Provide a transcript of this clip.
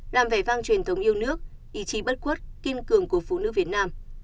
làm vẻ vang truyền thống yêu nước ý chí bất khuất kiên cường của phụ nữ việt nam